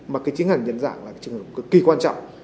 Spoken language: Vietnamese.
mà cái trường hợp để nhận dạng là trường hợp cực kỳ quan trọng